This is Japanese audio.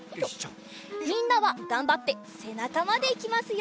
みんなはがんばってせなかまでいきますよ。